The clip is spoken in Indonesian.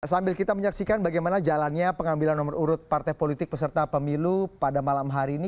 sambil kita menyaksikan bagaimana jalannya pengambilan nomor urut partai politik peserta pemilu pada malam hari ini